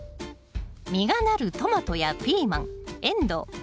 実がなるトマトやピーマンエンドウ。